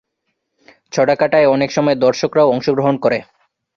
ছড়া কাটায় অনেক সময় দর্শকরাও অংশগ্রহণ করে।